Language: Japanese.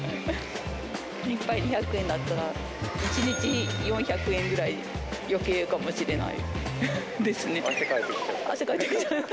１杯２００円だったら、１日４００円ぐらい、よけいかもしれ汗かいてきちゃった。